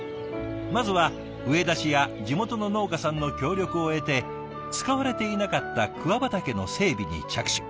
まずは上田市や地元の農家さんの協力を得て使われていなかった桑畑の整備に着手。